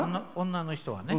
女の人はね。